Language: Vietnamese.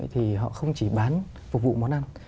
thì họ không chỉ bán phục vụ món ăn